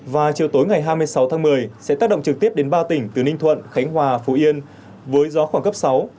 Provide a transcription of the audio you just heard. và chiều tối ngày hai mươi sáu tháng một mươi sẽ tác động trực tiếp đến ba tỉnh từ ninh thuận khánh hòa phú yên với gió khoảng cấp sáu